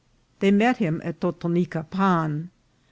They met him at Totonicapan.